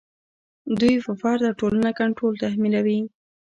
دوی پر فرد او ټولنه کنټرول تحمیلوي.